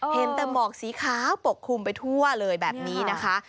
เห็นแต่หมอกสีขาวปกคลุมไปทั่วเลยแบบนี้นะคะ